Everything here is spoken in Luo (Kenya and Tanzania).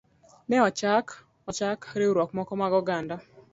Ne ochak ochak riwruoge mamoko mag oganda.